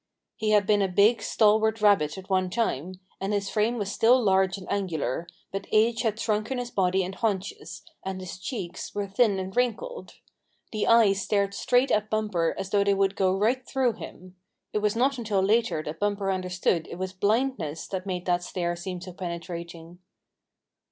He had been a big, stalwart rabbit at one time, and his frame was still large and angular, but age had shrunken his body and haunches, and his cheeks were thin and wrinkled. The eyes stared straight at Bumper as though they would go right through him. It was not until later that Bumper understood it was blindness that made that stare seem so penetrating.